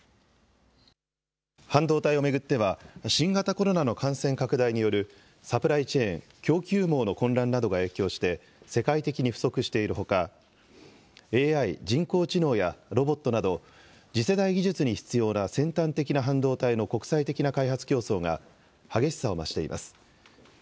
半導体を巡っては新型コロナの感染拡大によるサプライチェーン・供給網の混乱などが影響して世界的に不足しているほかＡＩ・人工知能やロボットなど次世代技術に必要な先端的な半導体の国際的な開発競争が激しさを増しています。